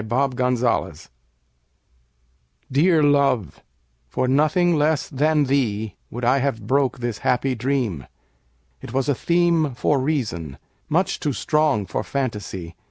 The Dream DEAR love, for nothing less than theeWould I have broke this happy dream; It was a themeFor reason, much too strong for fantasy.